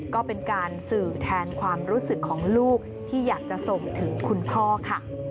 ก็เป็นการสื่อแทนความรู้สึกของลูกที่อยากจะส่งถึงคุณพ่อค่ะ